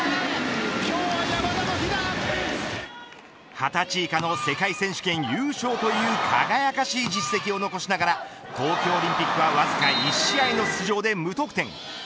２０歳以下の世界選手権優勝という輝かしい実績を残しながら東京オリンピックはわずか１試合の出場で無得点。